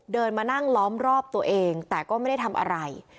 เดินมานั่งล้อมรอบตัวเองแต่ก็ไม่ได้ทำอะไร